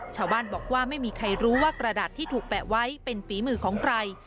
ชาวบ้านบอกว่าไม่มีใครรู้ว่ากระดาษที่ถูกแปะไว้เป็นฝีมือของใคร